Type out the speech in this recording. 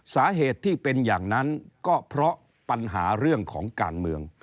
สาเหตุที่เป็นอย่างนั้นก็เพราะปัญหาเรื่องของการเมือง